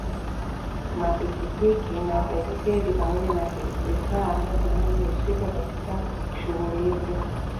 mapikipiki na baiskeli pamoja na vifaa vinavyohusika katika shughuli hizi